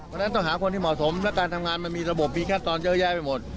เพราะฉะนั้นต้องหาคนที่เหมาะสมและการทำงานมันมีระบบมีขั้นตอนเยอะแยะไปหมด